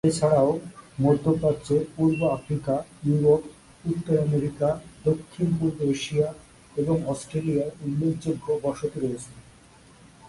এছাড়াও মধ্য প্রাচ্য, পূর্ব আফ্রিকা, ইউরোপ, উত্তর আমেরিকা, দক্ষিণ পূর্ব এশিয়া এবং অস্ট্রেলিয়ায় উল্লেখযোগ্য বসতি রয়েছে।